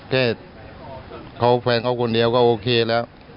เขาแฟนเขาก็โอเคแล้ว